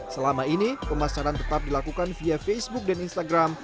selama ini pemasaran tetap dilakukan via facebook dan instagram